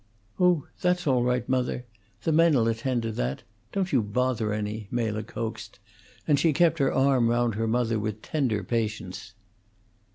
"Oh, that's all right, mother. The men 'll attend to that. Don't you bother any," Mela coaxed, and she kept her arm round her mother, with tender patience.